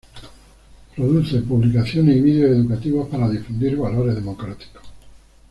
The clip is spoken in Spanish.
Produce publicaciones y videos educativos para difundir valores democráticos.